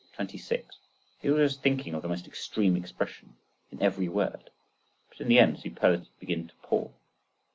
He is always thinking of the most extreme expression,—in every word. But in the end superlatives begin to pall.